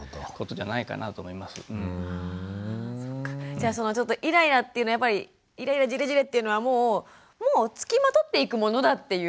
じゃあそのちょっとイライラっていうのやっぱりイライラジレジレっていうのはもうもう付きまとっていくものだっていう感じなんですかね。